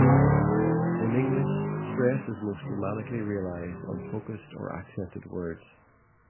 In English, stress is most dramatically realized on focused or accented words.